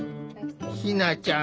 ひなちゃん